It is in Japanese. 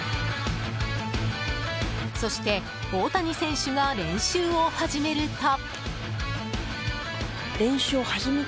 そして、大谷選手が練習を始めると。